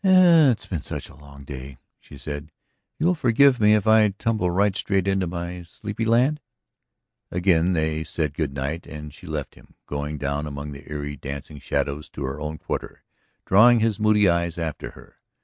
"It's been such a long day," she said. "You'll forgive me if I tumble right straight into sleepy land?" Again they said good night and she left him, going down among the eerie dancing shadows to her own quarter, drawing his moody eyes after her.